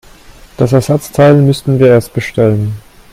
Das Ersatzteil müssten wir erst bestellen.